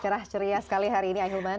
cerah ceria sekali hari ini ahilman